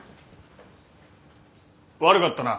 悪かったな。